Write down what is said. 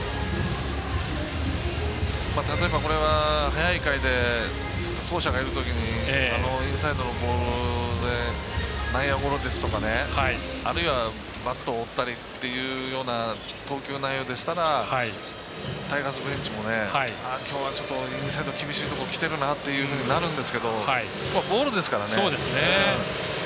例えば、これが早い回で走者がいるときにインサイドのボールで内野ゴロですとかあるいは、バットを折ったりという投球内容でしたらタイガースベンチもきょうはインサイド厳しいところきているなっていう感じになるんですけどボールですからね。